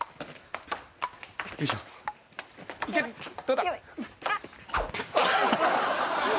どうだ？